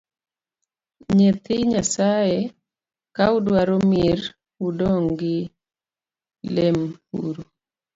Nyithii nyasae ka udwaro mier u odong’i lem uru